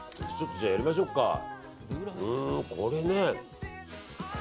ちょっとやりましょうか。